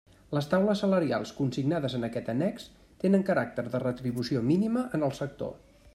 Les taules salarials consignades en aquest annex tenen caràcter de retribució mínima en el sector.